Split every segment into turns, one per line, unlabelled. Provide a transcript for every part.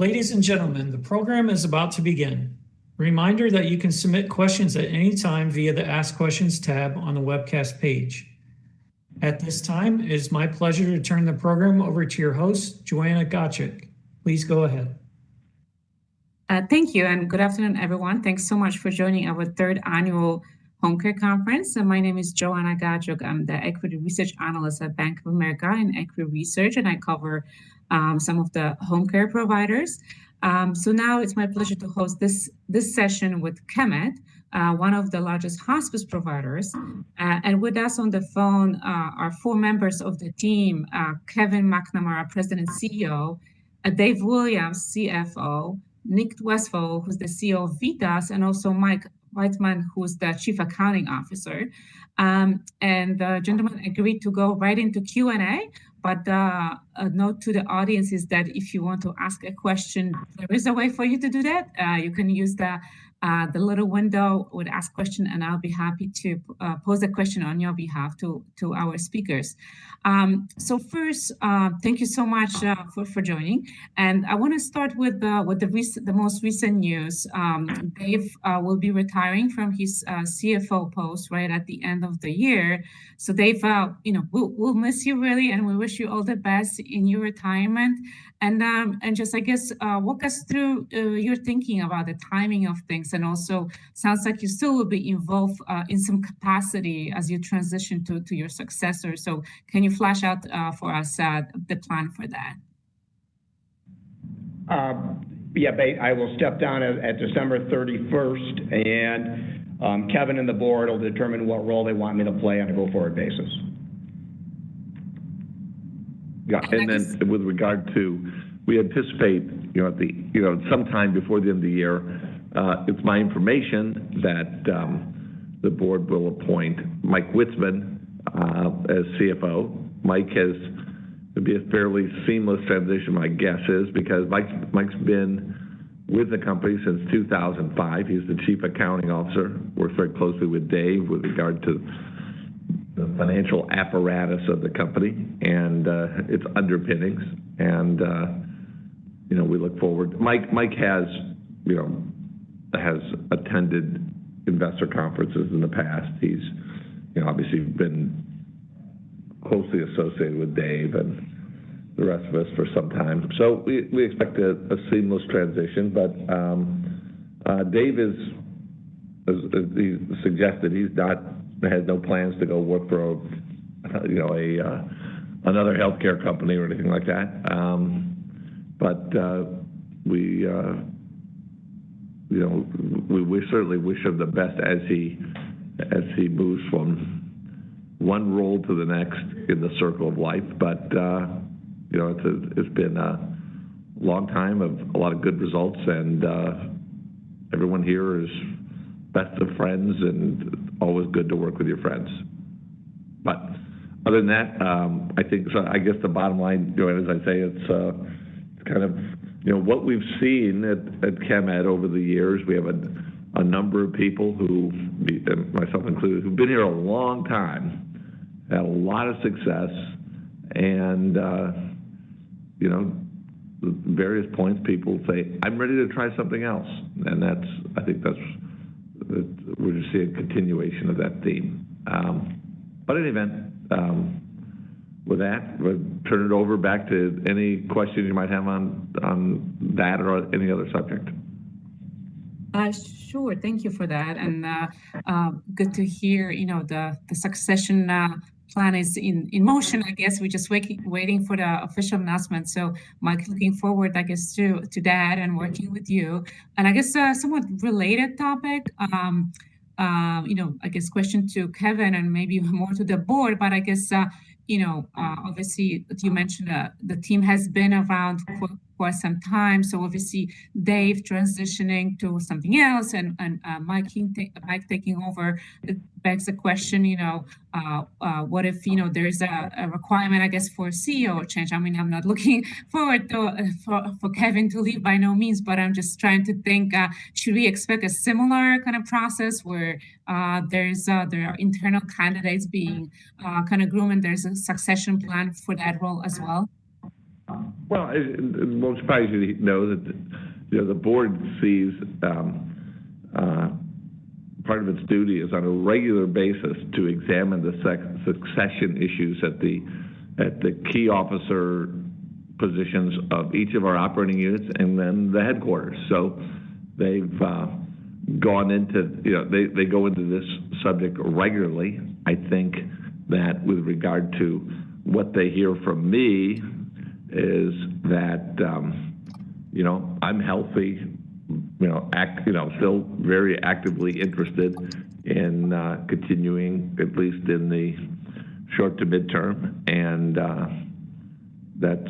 Ladies and gentlemen, the program is about to begin. Reminder that you can submit questions at any time via the Ask Questions tab on the webcast page. At this time, it is my pleasure to turn the program over to your host, Joanna Gajuk. Please go ahead.
Thank you, and good afternoon, everyone. Thanks so much for joining our third annual Home Care Conference. My name is Joanna Gajuk. I'm the equity research analyst at Bank of America Equity Research, and I cover some of the home care providers. Now it's my pleasure to host this session with Chemed, one of the largest hospice providers. And with us on the phone are four members of the team, Kevin McNamara, President and CEO, Dave Williams, CFO, Nick Westfall, who's the CEO of VITAS, and also Mike Witzeman, who is the Chief Accounting Officer. The gentlemen agreed to go right into Q&A, but a note to the audience is that if you want to ask a question, there is a way for you to do that. You can use the little window with Ask Question, and I'll be happy to pose the question on your behalf to our speakers. So first, thank you so much for joining. I want to start with the most recent news. Dave will be retiring from his CFO post right at the end of the year. So Dave, you know, we'll miss you really, and we wish you all the best in your retirement. And just, I guess, walk us through your thinking about the timing of things, and also, sounds like you still will be involved in some capacity as you transition to your successor. So can you flesh out for us the plan for that?
Yeah, I will step down at December 31st, and Kevin and the board will determine what role they want me to play on a go-forward basis.
Yeah, and then-
Next-
With regard to... We anticipate, you know, at the, you know, sometime before the end of the year, it's my information that the board will appoint Mike Witzeman as CFO. Mike has-- It'll be a fairly seamless transition, my guess is, because Mike, Mike's been with the company since 2005. He's the Chief Accounting Officer, worked very closely with Dave with regard to the financial apparatus of the company and its underpinnings. And, you know, we look forward... Mike, Mike has, you know, has attended investor conferences in the past. He's, you know, obviously been closely associated with Dave and the rest of us for some time. So we, we expect a seamless transition. But Dave is, as he suggested, he's not has no plans to go work for a, you know, a another healthcare company or anything like that. But we, you know, we certainly wish him the best as he moves from one role to the next in the circle of life. But you know, it's it's been a long time of a lot of good results, and everyone here is best of friends, and always good to work with your friends. But other than that, I think, I guess, the bottom line, Joanna, as I say, it's kind of, you know, what we've seen at Chemed over the years, we have a number of people who've, and myself included, who've been here a long time, had a lot of success, and, you know, at various points, people say, "I'm ready to try something else." And that's. I think that's the... We're just seeing a continuation of that theme. But in any event, with that, we'll turn it over back to any questions you might have on that or any other subject.
Sure. Thank you for that, and good to hear, you know, the succession plan is in motion. I guess we're just waiting for the official announcement, so Mike, looking forward, I guess, to that and working with you. And I guess somewhat related topic, you know, I guess question to Kevin and maybe more to the board, but I guess, you know, obviously, you mentioned the team has been around for some time. So obviously, Dave transitioning to something else and Mike taking over, it begs the question, you know, what if, you know, there is a requirement, I guess, for a CEO change? I mean, I'm not looking forward for Kevin to leave, by no means, but I'm just trying to think, should we expect a similar kind of process where there are internal candidates being kind of growing, there's a succession plan for that role as well?
Well, most probably, you know, that, you know, the board sees part of its duty is on a regular basis to examine the succession issues at the key officer positions of each of our operating units and then the headquarters. So they've gone into, you know, they go into this subject regularly. I think that with regard to what they hear from me is that, you know, I'm healthy, you know, still very actively interested in continuing, at least in the short to midterm. And that's,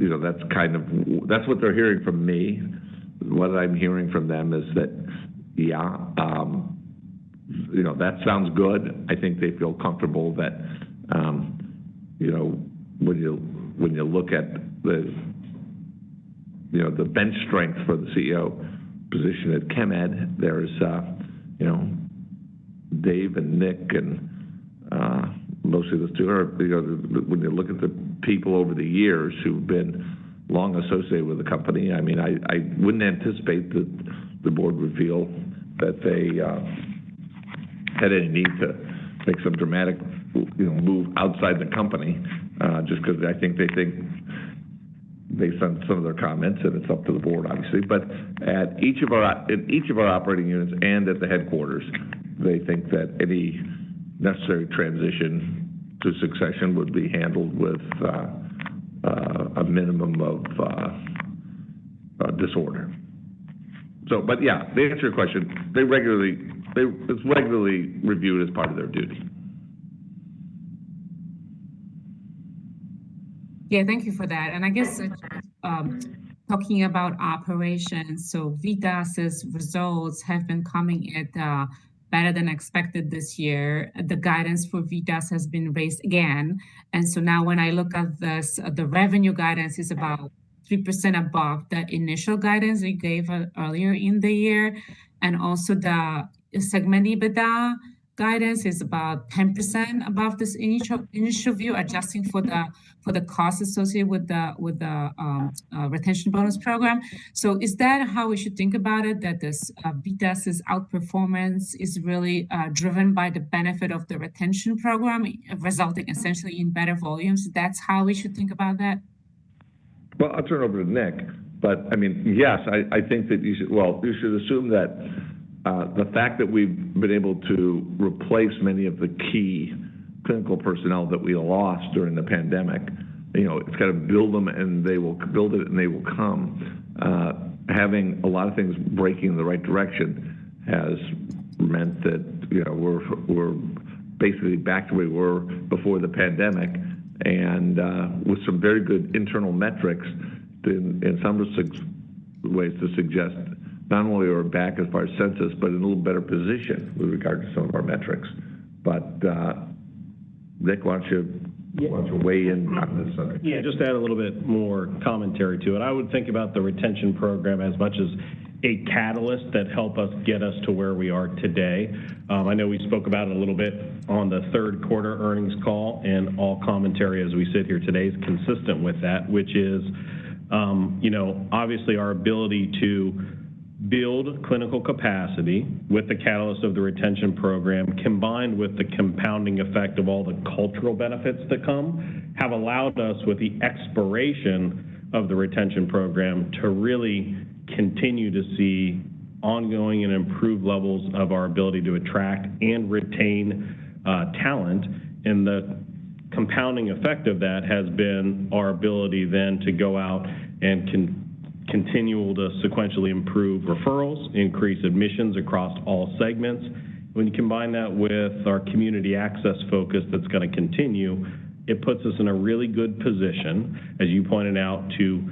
you know, that's what they're hearing from me. What I'm hearing from them is that, yeah, you know, that sounds good. I think they feel comfortable that, you know, when you, when you look at the, you know, the bench strength for the CEO position at Chemed, there is a, you know, Dave and Nick, and, most of the two are, you know, when you look at the people over the years who've been long associated with the company, I mean, I, I wouldn't anticipate that the board would feel that they, had any need to make some dramatic, you know, move outside the company, just 'cause I think they think based on some of their comments, and it's up to the board, obviously. But at each of our in each of our operating units and at the headquarters, they think that any necessary transition to succession would be handled with, a minimum of, disorder. Yeah, to answer your question, it's regularly reviewed as part of their duty.
Yeah, thank you for that. I guess talking about operations, so VITAS's results have been coming at better than expected this year. The guidance for VITAS has been raised again, and so now when I look at this, the revenue guidance is about 3% above the initial guidance they gave earlier in the year. And also the segment EBITDA guidance is about 10% above this initial view, adjusting for the costs associated with the retention bonus program. So is that how we should think about it, that this VITAS's outperformance is really driven by the benefit of the retention program, resulting essentially in better volumes? That's how we should think about that?
Well, I'll turn it over to Nick. But I mean, yes, I think that you should—Well, you should assume that the fact that we've been able to replace many of the key clinical personnel that we lost during the pandemic, you know, it's kind of build them, and they will build it, and they will come. Having a lot of things breaking in the right direction has meant that, you know, we're basically back to where we were before the pandemic and with some very good internal metrics in some ways to suggest not only we're back as far as census, but in a little better position with regard to some of our metrics. But Nick, why don't you-
Yeah.
Why don't you weigh in on this side?
Yeah, just to add a little bit more commentary to it. I would think about the retention program as much as a catalyst that help us get us to where we are today. I know we spoke about it a little bit on the third quarter earnings call, and all commentary as we sit here today is consistent with that, which is, you know, obviously, our ability to build clinical capacity with the catalyst of the retention program, combined with the compounding effect of all the cultural benefits that come, have allowed us, with the expiration of the retention program, to really continue to see ongoing and improved levels of our ability to attract and retain talent. And the compounding effect of that has been our ability then to go out and continue to sequentially improve referrals, increase admissions across all segments. When you combine that with our community access focus, that's gonna continue, it puts us in a really good position, as you pointed out, to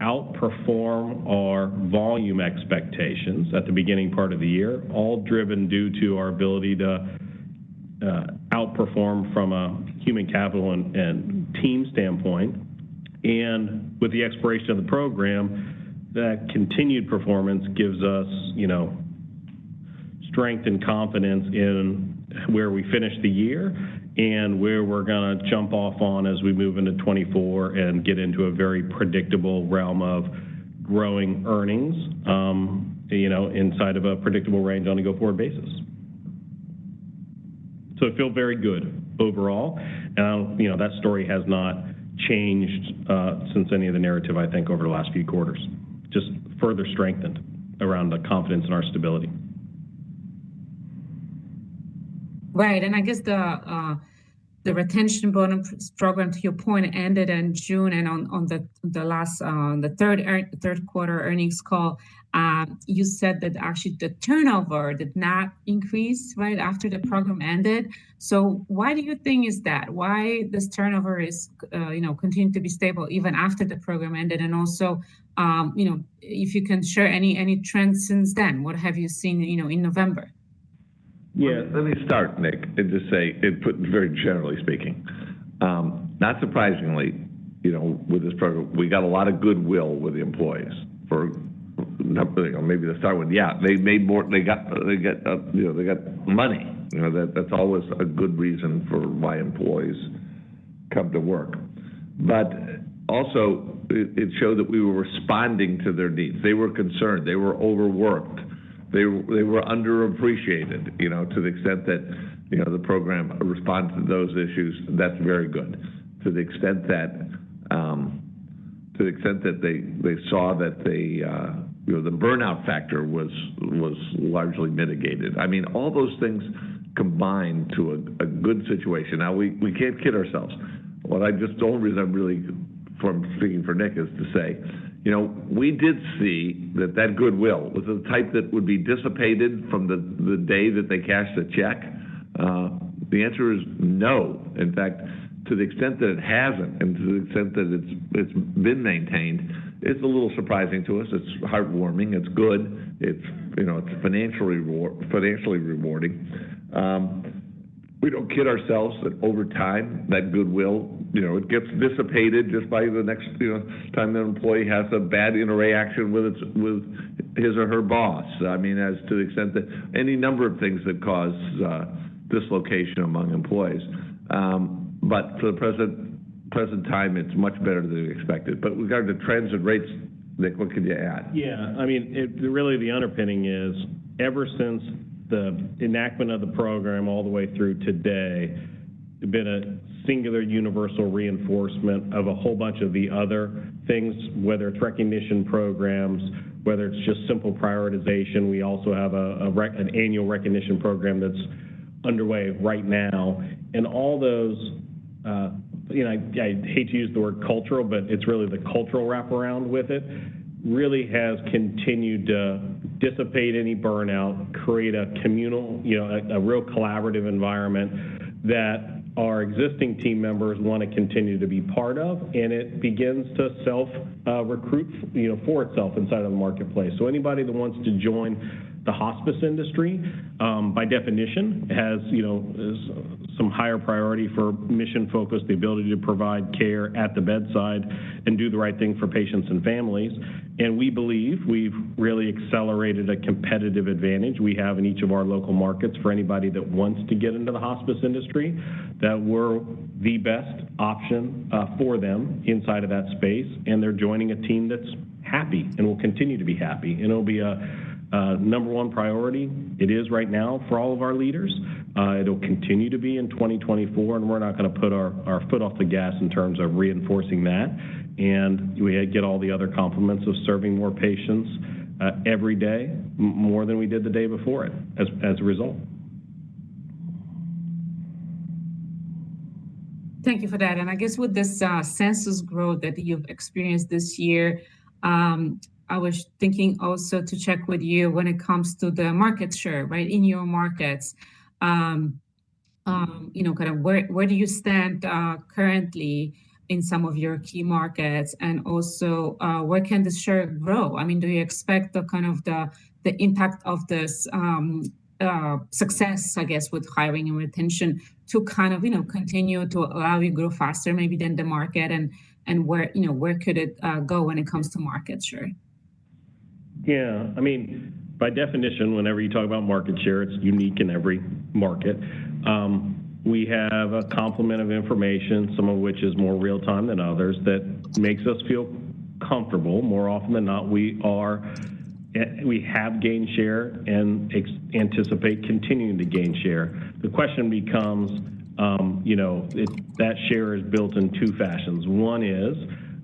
outperform our volume expectations at the beginning part of the year, all driven due to our ability to outperform from a human capital and team standpoint. And with the expiration of the program, that continued performance gives us, you know, strength and confidence in where we finish the year and where we're gonna jump off on as we move into 2024 and get into a very predictable realm of growing earnings, you know, inside of a predictable range on a go-forward basis. So it feel very good overall. And, you know, that story has not changed since any of the narrative, I think, over the last few quarters, just further strengthened around the confidence in our stability.
Right. And I guess the retention bonus program, to your point, ended in June, and on the third quarter earnings call, you said that actually the turnover did not increase right after the program ended. So why do you think is that? Why this turnover is, you know, continued to be stable even after the program ended? And also, you know, if you can share any trends since then, what have you seen, you know, in November?
Yeah, let me start, Nick, and just say, and put very generally speaking, not surprisingly, you know, with this program, we got a lot of goodwill with the employees for, you know, maybe to start with. Yeah, they got, they got, you know, they got money. You know, that's always a good reason for why employees come to work. But also, it, it showed that we were responding to their needs. They were concerned, they were overworked, they, they were underappreciated, you know, to the extent that, you know, the program responded to those issues, that's very good. To the extent that, to the extent that they, they saw that the, you know, the burnout factor was, was largely mitigated. I mean, all those things combined to a, a good situation. Now, we, we can't kid ourselves. What I just don't remember really from speaking for Nick is to say, you know, we did see that that goodwill was the type that would be dissipated from the day that they cashed the check. The answer is no. In fact, to the extent that it hasn't and to the extent that it's been maintained, it's a little surprising to us. It's heartwarming, it's good, it's, you know, it's financially rewarding. We don't kid ourselves that over time, that goodwill, you know, it gets dissipated just by the next, you know, time the employee has a bad interaction with his or her boss. I mean, as to the extent that any number of things that cause dislocation among employees. But for the present time, it's much better than we expected. But regarding trends and rates, Nick, what could you add?
Yeah, I mean, really the underpinning is ever since the enactment of the program all the way through today, there's been a singular universal reinforcement of a whole bunch of the other things, whether it's recognition programs, whether it's just simple prioritization. We also have an annual recognition program that's underway right now. And all those, you know, I hate to use the word cultural, but it's really the cultural wraparound with it, really has continued to dissipate any burnout, create a communal, you know, a real collaborative environment that our existing team members want to continue to be part of, and it begins to self-recruit, you know, for itself inside of the marketplace. So anybody that wants to join the hospice industry, by definition, has, you know, has some higher priority for mission focus, the ability to provide care at the bedside and do the right thing for patients and families. And we believe we've really accelerated a competitive advantage we have in each of our local markets for anybody that wants to get into the hospice industry, that we're the best option, for them inside of that space, and they're joining a team that's happy and will continue to be happy. And it'll be a number one priority. It is right now for all of our leaders. It'll continue to be in 2024, and we're not gonna put our foot off the gas in terms of reinforcing that. We get all the other complements of serving more patients every day, more than we did the day before it, as a result.
Thank you for that. I guess with this census growth that you've experienced this year, I was thinking also to check with you when it comes to the market share, right? In your markets, you know, kind of where do you stand currently in some of your key markets? And also, where can the share grow? I mean, do you expect the kind of impact of this success, I guess, with hiring and retention to kind of, you know, continue to allow you grow faster maybe than the market and, you know, where could it go when it comes to market share?
Yeah. I mean, by definition, whenever you talk about market share, it's unique in every market. We have a complement of information, some of which is more real-time than others, that makes us feel comfortable. More often than not, we are, we have gained share and anticipate continuing to gain share. The question becomes, you know, if that share is built in two fashions. One is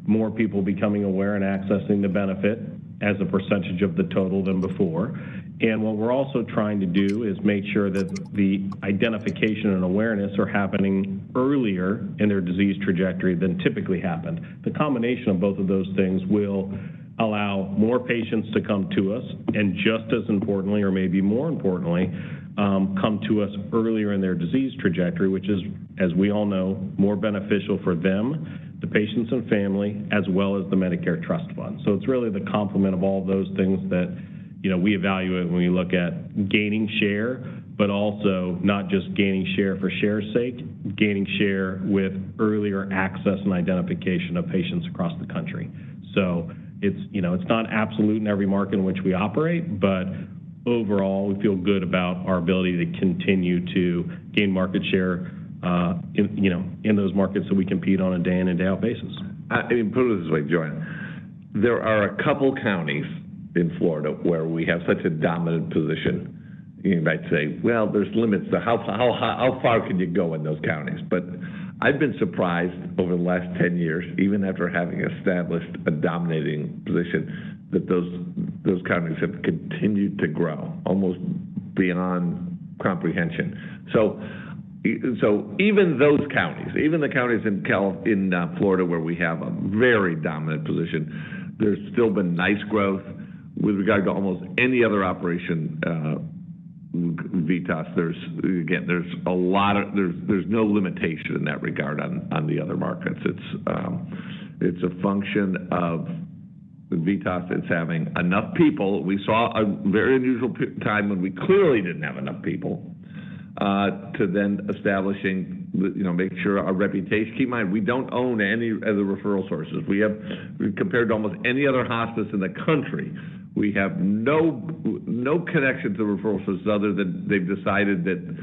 more people becoming aware and accessing the benefit as a percentage of the total than before. And what we're also trying to do is make sure that the identification and awareness are happening earlier in their disease trajectory than typically happened. The combination of both of those things will allow more patients to come to us, and just as importantly, or maybe more importantly, come to us earlier in their disease trajectory, which is, as we all know, more beneficial for them, the patients and family, as well as the Medicare Trust Fund. So it's really the complement of all those things that, you know, we evaluate when we look at gaining share, but also not just gaining share for share's sake, gaining share with earlier access and identification of patients across the country. So it's, you know, it's not absolute in every market in which we operate, but overall, we feel good about our ability to continue to gain market share, in, you know, in those markets so we compete on a day in and day out basis.
Let me put it this way, Joanne. There are a couple counties in Florida where we have such a dominant position. You might say, "Well, there's limits to how far can you go in those counties?" But I've been surprised over the last 10 years, even after having established a dominating position, that those counties have continued to grow, almost beyond comprehension. So even those counties, even the counties in Florida, where we have a very dominant position, there's still been nice growth with regard to almost any other operation, VITAS. There's again no limitation in that regard on the other markets. It's a function of VITAS that's having enough people. We saw a very unusual time when we clearly didn't have enough people to then establishing the, you know, make sure our reputation. Keep in mind, we don't own any of the referral sources. We have, compared to almost any other hospice in the country, we have no, no connection to referral sources other than they've decided that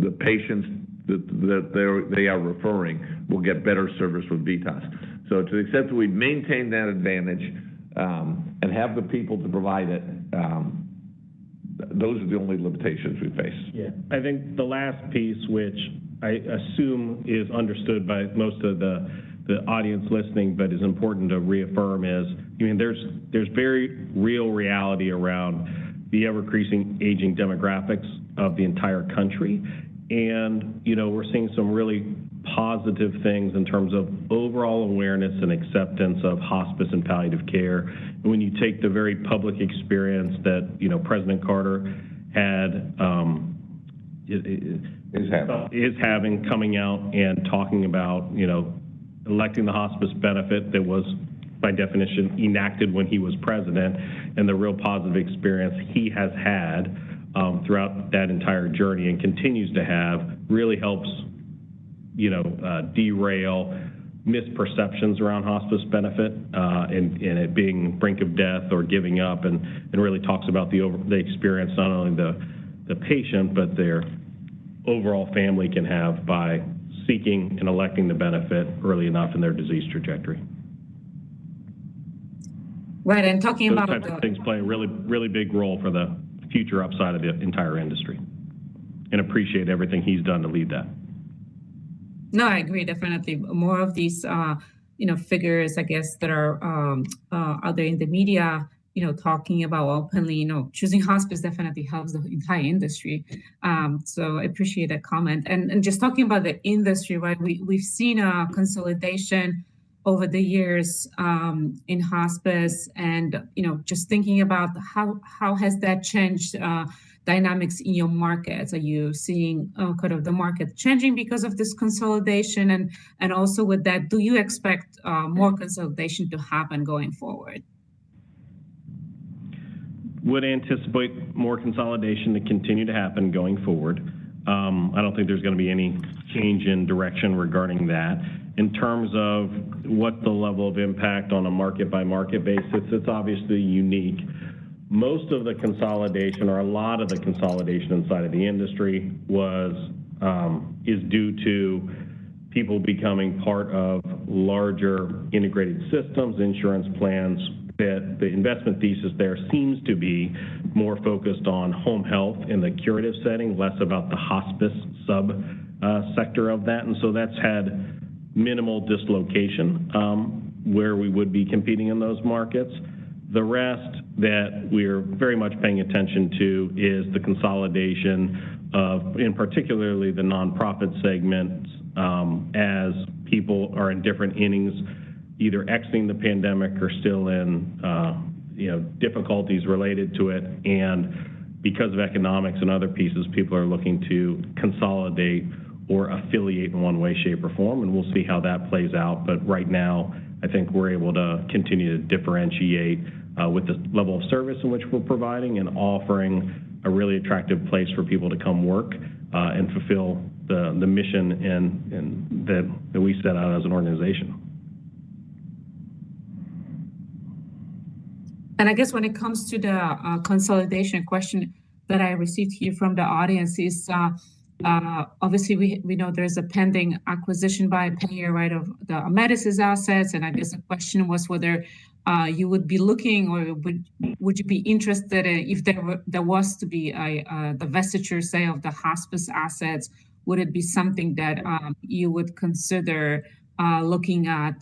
the patients that they're referring will get better service with VITAS. So to the extent that we maintain that advantage, and have the people to provide it, those are the only limitations we face.
Yeah. I think the last piece, which I assume is understood by most of the audience listening, but is important to reaffirm, is, I mean, there's very real reality around the ever-increasing aging demographics of the entire country. And, you know, we're seeing some really positive things in terms of overall awareness and acceptance of hospice and palliative care. When you take the very public experience that, you know, President Carter had.
Is having...
is having, coming out and talking about, you know, electing the hospice benefit that was, by definition, enacted when he was president, and the real positive experience he has had throughout that entire journey, and continues to have, really helps, you know, derail misperceptions around hospice benefit, and it being brink of death or giving up, and really talks about the experience, not only the patient, but their overall family can have by seeking and electing the benefit early enough in their disease trajectory.
Right, and talking about the-
Those types of things play a really, really big role for the future upside of the entire industry, and appreciate everything he's done to lead that.
No, I agree, definitely. More of these, you know, figures, I guess that are out there in the media, you know, talking about openly, you know, choosing hospice definitely helps the entire industry. So I appreciate that comment. And just talking about the industry, right, we've seen a consolidation over the years in hospice, and, you know, just thinking about how has that changed dynamics in your market? Are you seeing kind of the market changing because of this consolidation? And also with that, do you expect more consolidation to happen going forward?
Would anticipate more consolidation to continue to happen going forward. I don't think there's gonna be any change in direction regarding that. In terms of what the level of impact on a market-by-market basis, it's obviously unique. Most of the consolidation or a lot of the consolidation inside of the industry was, is due to people becoming part of larger integrated systems, insurance plans, that the investment thesis there seems to be more focused on home health in the curative setting, less about the hospice subsector of that. And so that's had minimal dislocation, where we would be competing in those markets. The rest that we're very much paying attention to is the consolidation of, and particularly the nonprofit segment, as people are in different innings, either exiting the pandemic or still in, you know, difficulties related to it. Because of economics and other pieces, people are looking to consolidate or affiliate in one way, shape, or form, and we'll see how that plays out. But right now, I think we're able to continue to differentiate with the level of service in which we're providing and offering a really attractive place for people to come work and fulfill the mission and that we set out as an organization.
And I guess when it comes to the consolidation question that I received here from the audience is, obviously, we know there's a pending acquisition by Pennant Group, right, of the Amedisys assets. And I guess the question was whether you would be looking or would you be interested, if there was to be a divestiture, say, of the hospice assets, would it be something that you would consider looking at?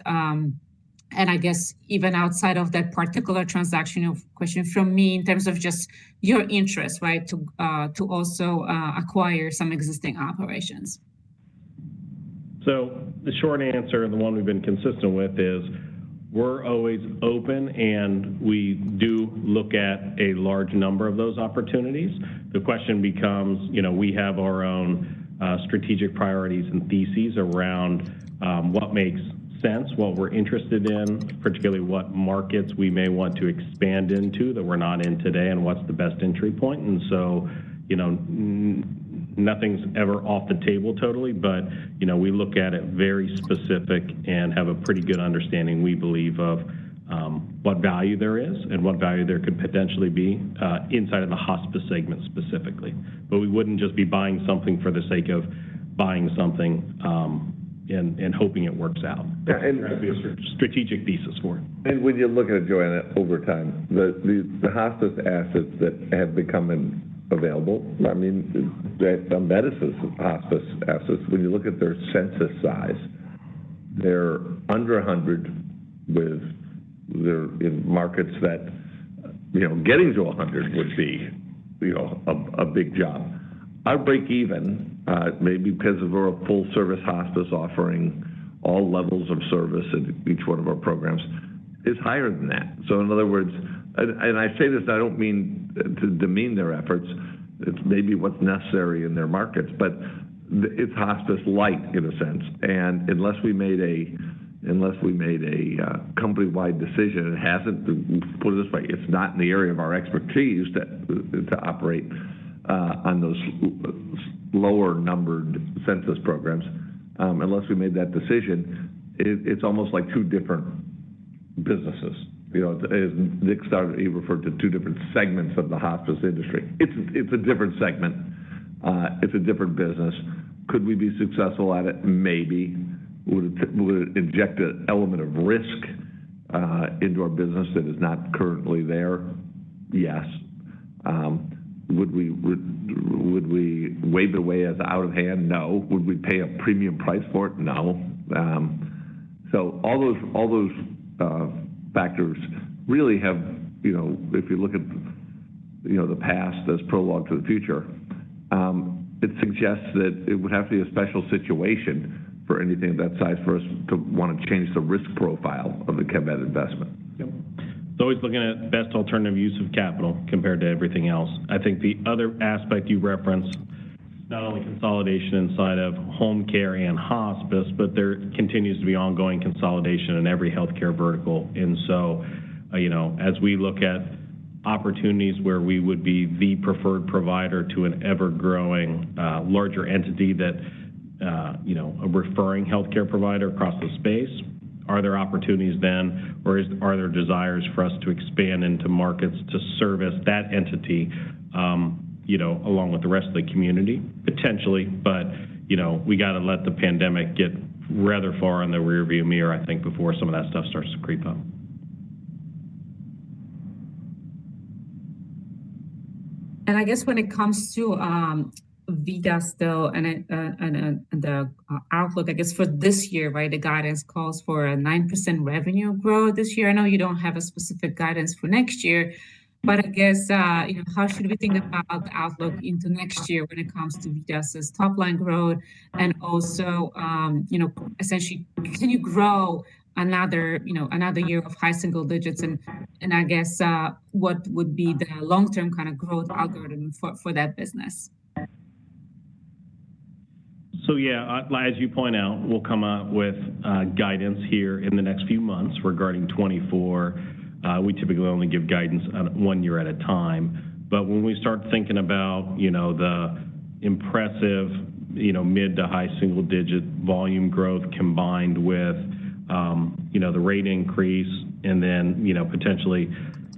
And I guess even outside of that particular transaction of question from me, in terms of just your interest, right, to also acquire some existing operations.
So the short answer, and the one we've been consistent with, is we're always open, and we do look at a large number of those opportunities. The question becomes, you know, we have our own strategic priorities and theses around what makes sense, what we're interested in, particularly what markets we may want to expand into, that we're not in today, and what's the best entry point. So, you know, nothing's ever off the table totally, but, you know, we look at it very specific and have a pretty good understanding, we believe, of what value there is and what value there could potentially be inside of the hospice segment specifically. But we wouldn't just be buying something for the sake of buying something, and hoping it works out.
Yeah, and-
There's a strategic thesis for it.
And when you look at it, Joanna, over time, the hospice assets that have become available, I mean, the Amedisys hospice assets, when you look at their census size, they're under 100, with, they're in markets that, you know, getting to 100 would be, you know, a big job. Our break-even, maybe because of our full-service hospice offering all levels of service in each one of our programs, is higher than that. So in other words, and I say this, I don't mean to demean their efforts, it's maybe what's necessary in their markets, but the, it's hospice-like in a sense. And unless we made a, unless we made a, company-wide decision, it hasn't... Put it this way, it's not in the area of our expertise to operate on those lower-numbered census programs. Unless we made that decision, it's almost like two different businesses. You know, as Nick started, he referred to two different segments of the hospice industry. It's a different segment. It's a different business. Could we be successful at it? Maybe. Would it inject an element of risk into our business that is not currently there? Yes. Would we wave away as out of hand? No. Would we pay a premium price for it? No. So all those factors really have, you know, if you look at the past as prologue to the future, it suggests that it would have to be a special situation for anything of that size for us to want to change the risk profile of the Chemed investment.
Yep.... It's always looking at best alternative use of capital compared to everything else. I think the other aspect you referenced, not only consolidation inside of home care and hospice, but there continues to be ongoing consolidation in every healthcare vertical. And so, you know, as we look at opportunities where we would be the preferred provider to an ever-growing, larger entity that, you know, a referring healthcare provider across the space, are there opportunities then, or are there desires for us to expand into markets to service that entity, you know, along with the rest of the community? Potentially, but, you know, we got to let the pandemic get rather far in the rearview mirror, I think, before some of that stuff starts to creep up.
And I guess when it comes to VITAS, though, and the outlook, I guess, for this year, right? The guidance calls for a 9% revenue growth this year. I know you don't have a specific guidance for next year, but I guess, you know, how should we think about the outlook into next year when it comes to VITAS' top line growth? And also, you know, essentially, can you grow another, you know, another year of high single digits? And I guess, what would be the long-term kind of growth algorithm for that business?
So yeah, as you point out, we'll come up with guidance here in the next few months regarding 2024. We typically only give guidance on one year at a time. But when we start thinking about, you know, the impressive, you know, mid- to high-single-digit volume growth combined with, you know, the rate increase and then, you know, potentially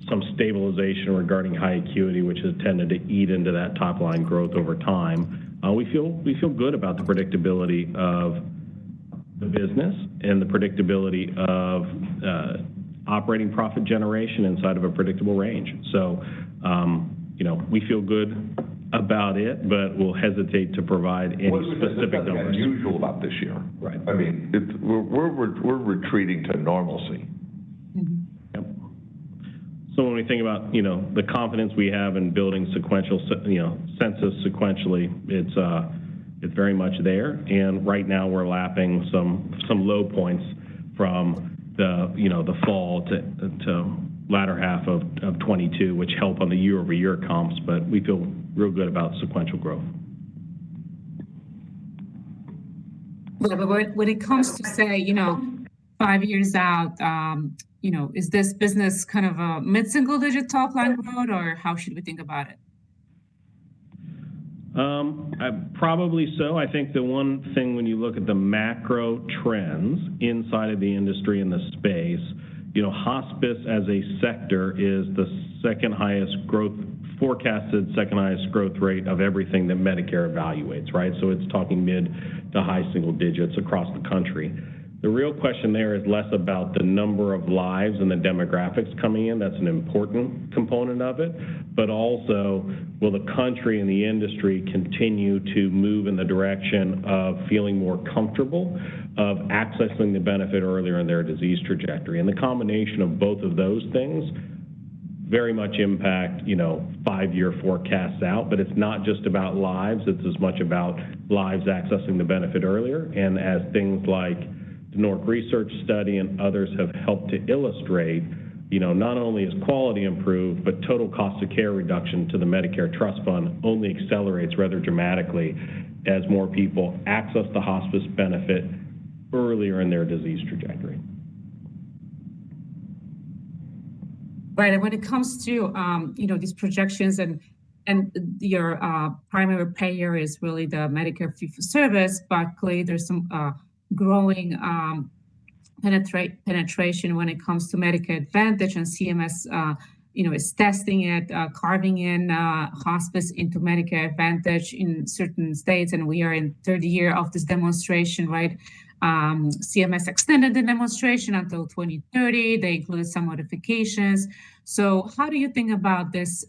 some stabilization regarding high acuity, which has tended to eat into that top line growth over time, we feel, we feel good about the predictability of the business and the predictability of operating profit generation inside of a predictable range. So, you know, we feel good about it, but we'll hesitate to provide any specific numbers.
What is unusual about this year?
Right.
I mean, we're retreating to normalcy.
Mm-hmm.
Yep. So when we think about, you know, the confidence we have in building sequential census sequentially, it's very much there. And right now, we're lapping some low points from the, you know, the fall to latter half of 2022, which helps on the year-over-year comps, but we feel real good about sequential growth.
But when it comes to, say, you know, five years out, you know, is this business kind of a mid-single-digit top line growth, or how should we think about it?
Probably so. I think the one thing when you look at the macro trends inside of the industry, in the space, you know, hospice as a sector is the second highest growth, forecasted second highest growth rate of everything that Medicare evaluates, right? So it's talking mid to high-single-digits across the country. The real question there is less about the number of lives and the demographics coming in. That's an important component of it. But also, will the country and the industry continue to move in the direction of feeling more comfortable of accessing the benefit earlier in their disease trajectory? And the combination of both of those things very much impacts, you know, five-year forecasts out, but it's not just about lives, it's as much about lives accessing the benefit earlier. As things like the NORC research study and others have helped to illustrate, you know, not only is quality improved, but total cost of care reduction to the Medicare Trust Fund only accelerates rather dramatically as more people access the Hospice Benefit earlier in their disease trajectory.
Right. And when it comes to, you know, these projections and your primary payer is really the Medicare fee-for-service. But clearly, there's some growing penetration when it comes to Medicare Advantage and CMS, you know, is testing it, carving in hospice into Medicare Advantage in certain states, and we are in third year of this demonstration, right? CMS extended the demonstration until 2030. They included some modifications. So how do you think about this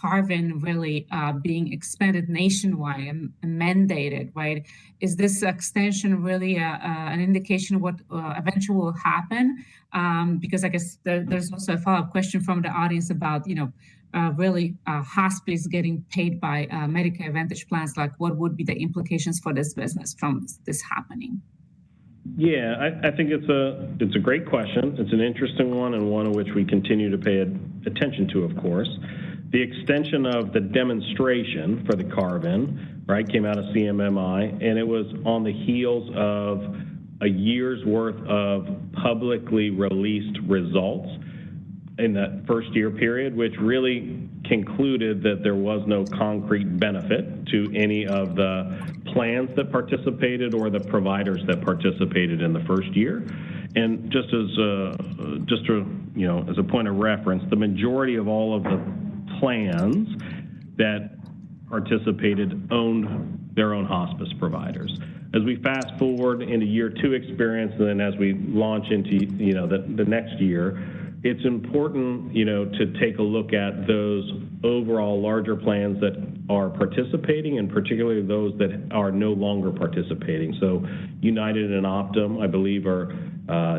carving really being expanded nationwide and mandated, right? Is this extension really an indication of what eventually will happen? Because I guess there's also a follow-up question from the audience about, you know, really hospice getting paid by Medicare Advantage plans. Like, what would be the implications for this business from this happening?
Yeah, I think it's a great question. It's an interesting one, and one in which we continue to pay attention to, of course. The extension of the demonstration for the carve-in, right, came out of CMMI, and it was on the heels of a year's worth of publicly released results in that first-year period, which really concluded that there was no concrete benefit to any of the plans that participated or the providers that participated in the first year. And just to, you know, as a point of reference, the majority of all of the plans that participated owned their own hospice providers. As we fast-forward in the year two experience, and then as we launch into, you know, the next year, it's important, you know, to take a look at those overall larger plans that are participating, and particularly those that are no longer participating. So United and Optum, I believe, are,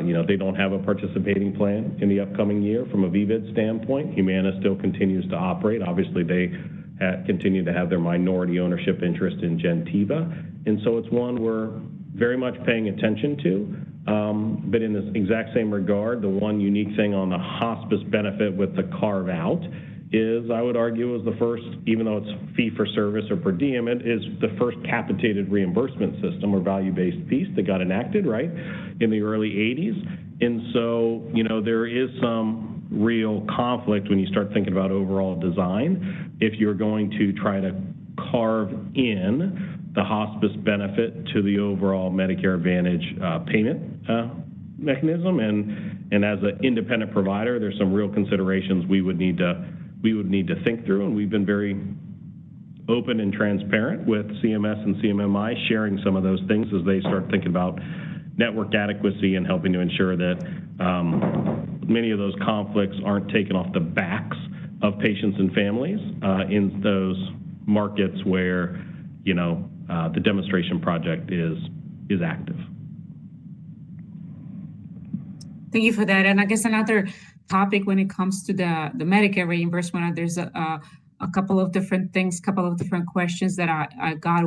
you know, they don't have a participating plan in the upcoming year from a VBID standpoint. Humana still continues to operate. Obviously, they continue to have their minority ownership interest in Gentiva, and so it's one we're very much paying attention to. But in this exact same regard, the one unique thing on the hospice benefit with the carve-out is, I would argue, the first, even though it's fee-for-service or per diem, it is the first capitated reimbursement system or value-based piece that got enacted, right, in the early 1980s. And so, you know, there is some real conflict when you start thinking about overall design if you're going to try to carve in the Hospice Benefit to the overall Medicare Advantage payment mechanism. And, and as an independent provider, there's some real considerations we would need to, we would need to think through, and we've been very open and transparent with CMS and CMMI, sharing some of those things as they start thinking about network adequacy and helping to ensure that many of those conflicts aren't taken off the backs of patients and families in those markets where, you know, the demonstration project is active.
Thank you for that. I guess another topic when it comes to the Medicare reimbursement. There's a couple of different things, couple of different questions that I got.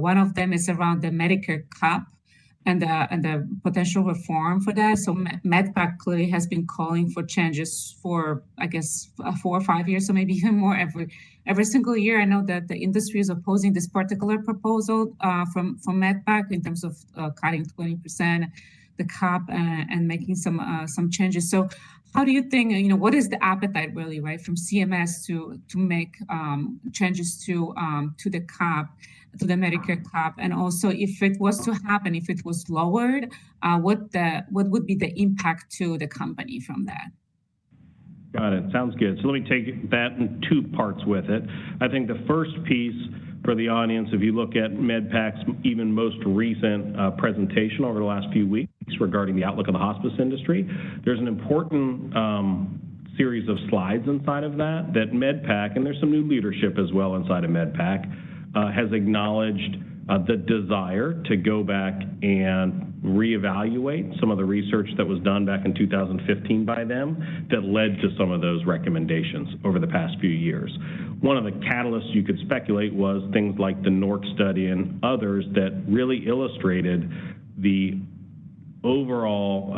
One of them is around the Medicare cap and the potential reform for that. MedPAC clearly has been calling for changes for, I guess, four or five years, so maybe even more. Every single year, I know that the industry is opposing this particular proposal from MedPAC in terms of cutting 20% the cap and making some changes. How do you think... You know, what is the appetite really, right, from CMS to make changes to the cap, to the Medicare cap? Also, if it was to happen, if it was lowered, what would be the impact to the company from that?
Got it. Sounds good. So let me take that in two parts with it. I think the first piece for the audience, if you look at MedPAC's even most recent presentation over the last few weeks regarding the outlook of the hospice industry, there's an important series of slides inside of that, that MedPAC, and there's some new leadership as well inside of MedPAC, has acknowledged the desire to go back and reevaluate some of the research that was done back in 2015 by them, that led to some of those recommendations over the past few years. One of the catalysts you could speculate was things like the NORC study and others that really illustrated the overall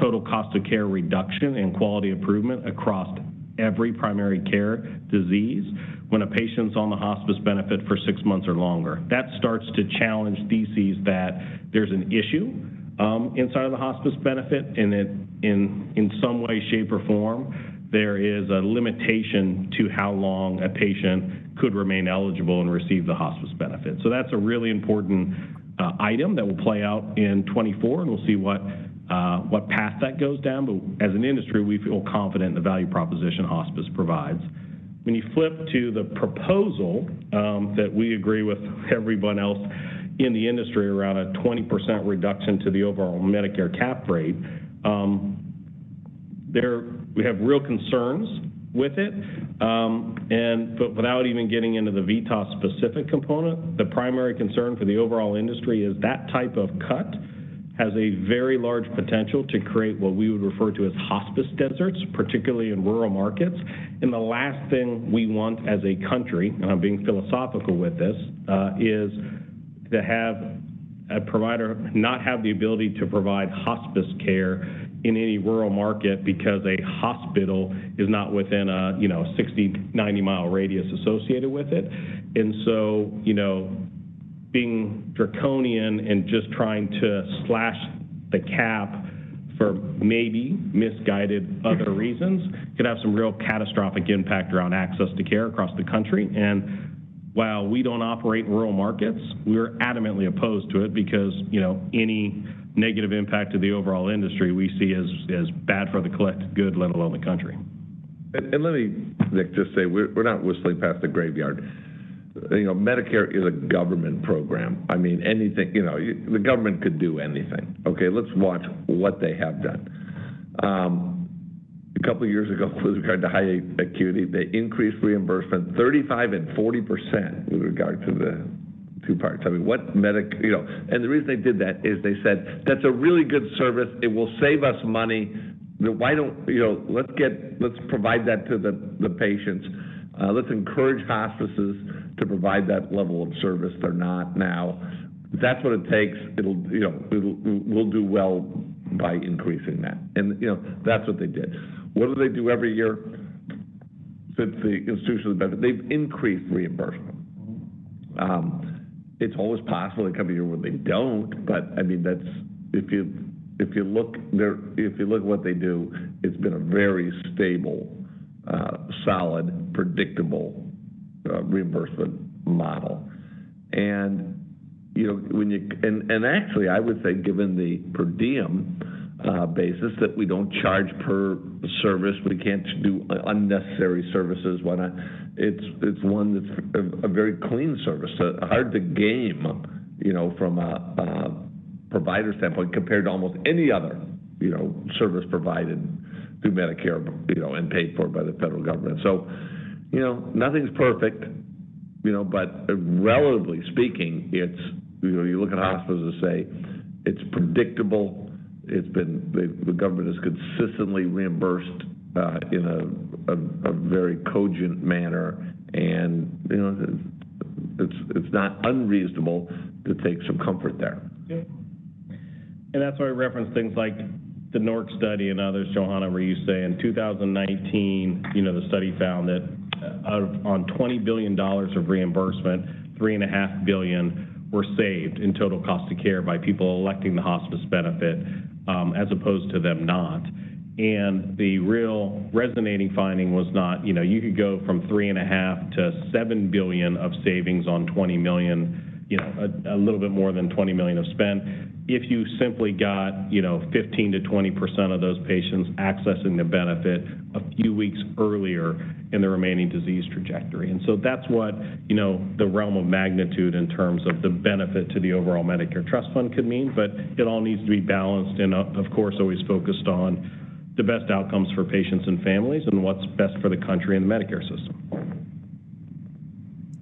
total cost of care reduction and quality improvement across every primary care disease when a patient's on the Hospice Benefit for six months or longer. That starts to challenge these that there's an issue inside of the Hospice Benefit, and in some way, shape, or form, there is a limitation to how long a patient could remain eligible and receive the Hospice Benefit. So that's a really important item that will play out in 2024, and we'll see what path that goes down. But as an industry, we feel confident in the value proposition hospice provides. When you flip to the proposal that we agree with everyone else in the industry around a 20% reduction to the overall Medicare cap rate, there we have real concerns with it. But without even getting into the VITAS specific component, the primary concern for the overall industry is that type of cut has a very large potential to create what we would refer to as hospice deserts, particularly in rural markets. And the last thing we want as a country, and I'm being philosophical with this, is to have a provider not have the ability to provide hospice care in any rural market because a hospital is not within a, you know, 60-90-mi radius associated with it. And so, you know, being draconian and just trying to slash the cap for maybe misguided other reasons, could have some real catastrophic impact around access to care across the country. While we don't operate rural markets, we're adamantly opposed to it because, you know, any negative impact to the overall industry we see as bad for the collective good, let alone the country.
And let me, Nick, just say we're not whistling past the graveyard. You know, Medicare is a government program. I mean, anything, you know, the government could do anything. Okay, let's watch what they have done. A couple of years ago, with regard to high acuity, they increased reimbursement 35% and 40% with regard to the two parts. You know, and the reason they did that is they said, "That's a really good service. It will save us money. Why don't- You know, let's get- Let's provide that to the patients. Let's encourage hospices to provide that level of service they're not now. If that's what it takes, it'll, you know, we'll do well by increasing that." And, you know, that's what they did. What do they do every year since the hospice benefit? They've increased reimbursement. It's always possible they come a year where they don't, but, I mean, that's... If you look at what they do, it's been a very stable, solid, predictable, reimbursement model. And, you know, when you... And, actually, I would say, given the per diem basis, that we don't charge per service, we can't do unnecessary services. When, it's one that's a very clean service, so hard to game, you know, from a provider standpoint, compared to almost any other, you know, service provided through Medicare, you know, and paid for by the federal government. So, you know, nothing's perfect, you know, but relatively speaking, it's, you know, you look at hospitals and say, "It's predictable. It's been... The government has consistently reimbursed in a very cogent manner, and you know, it's not unreasonable to take some comfort there.
Yeah. And that's why I referenced things like the NORC study and others, Joanna, where you say in 2019, you know, the study found that out of, on $20 billion of reimbursement, $3.5 billion were saved in total cost of care by people electing the hospice benefit, as opposed to them not. And the real resonating finding was not, you know, you could go from $3.5 billion to $7 billion of savings on $20 million, you know, a little bit more than $20 million of spend, if you simply got, you know, 15%-20% of those patients accessing the benefit a few weeks earlier in the remaining disease trajectory. That's what, you know, the realm of magnitude in terms of the benefit to the overall Medicare Trust Fund could mean, but it all needs to be balanced and, of course, always focused on the best outcomes for patients and families, and what's best for the country and the Medicare system.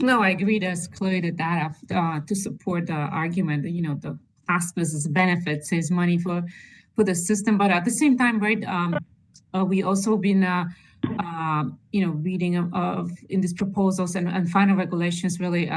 No, I agree. There's clearly the data to support the argument that, you know, the hospice benefit saves money for, for the system. But at the same time, right, we also been, you know, reading in these proposals and final regulations really,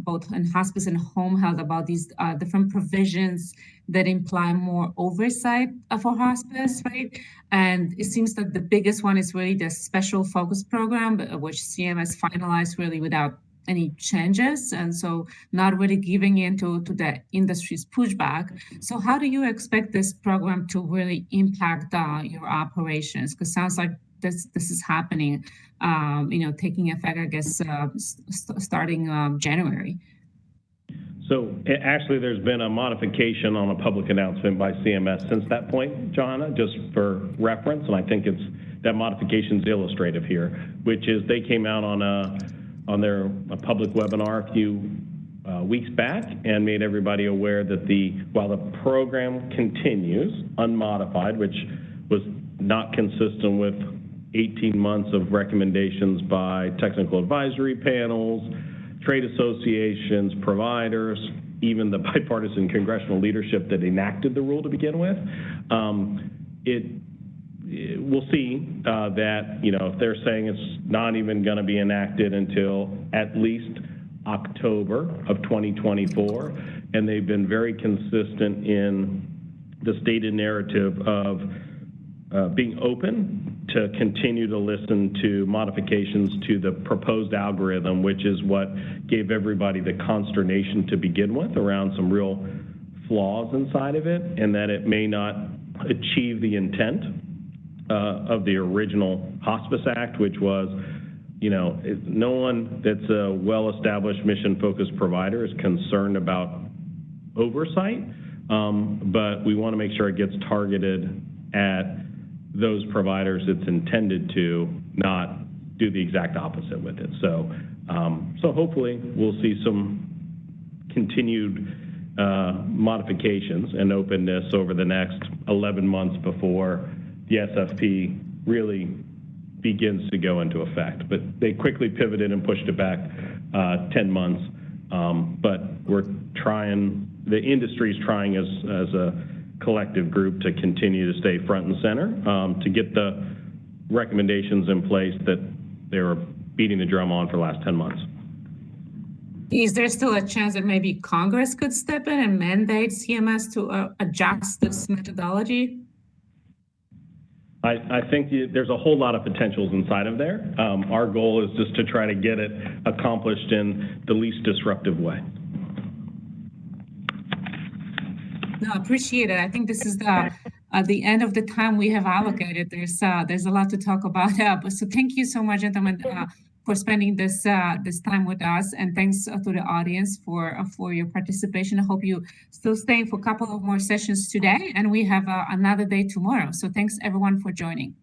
both in hospice and home health, about these different provisions that imply more oversight for hospice, right? And it seems that the biggest one is really the Special Focus Program, but which CMS finalized really without any changes, and so not really giving in to the industry's pushback. So how do you expect this program to really impact your operations? 'Cause it sounds like this is happening, you know, taking effect, I guess, starting January.
Actually, there's been a modification on a public announcement by CMS since that point, Joanna, just for reference, and I think it's that modification's illustrative here. Which is, they came out on their public webinar a few weeks back, and made everybody aware that, while the program continues unmodified, which was not consistent with 18 months of recommendations by technical advisory panels, trade associations, providers, even the bipartisan congressional leadership that enacted the rule to begin with, we'll see that, you know, they're saying it's not even gonna be enacted until at least October of 2024. And they've been very consistent in the stated narrative of being open to continue to listen to modifications to the proposed algorithm, which is what gave everybody the consternation to begin with, around some real flaws inside of it, and that it may not achieve the intent of the original Hospice Act. Which was, you know, no one that's a well-established, mission-focused provider is concerned about oversight, but we wanna make sure it gets targeted at those providers it's intended to, not do the exact opposite with it. So, so hopefully, we'll see some continued modifications and openness over the next 11 months before the SFP really begins to go into effect. They quickly pivoted and pushed it back 10 months, but we're trying, the industry's trying as a collective group to continue to stay front and center to get the recommendations in place that they were beating the drum on for the last 10 months.
Is there still a chance that maybe Congress could step in and mandate CMS to adjust this methodology?
I think there's a whole lot of potentials inside of there. Our goal is just to try to get it accomplished in the least disruptive way.
No, I appreciate it. I think this is the end of the time we have allocated. There's a lot to talk about. So thank you so much, gentlemen, for spending this time with us. And thanks to the audience for your participation. I hope you still staying for a couple of more sessions today, and we have another day tomorrow. So thanks everyone for joining.